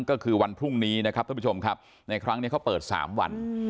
ก็คือวันพรุ่งนี้นะครับท่านผู้ชมครับในครั้งนี้เขาเปิด๓วัน